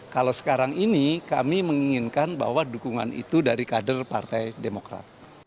kalau sekarang ini kami menginginkan bahwa dukungan itu dari kader partai demokrat